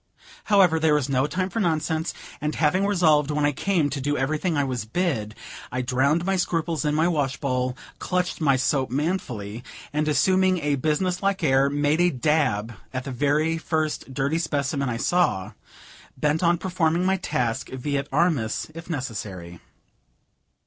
However, there was no time for nonsense, and, having resolved when I came to do everything I was bid, I drowned my scruples in my wash bowl, clutched my soap manfully, and, assuming a business like air, made a dab at the first dirty specimen I saw, bent on performing my task vi et armis if necessary.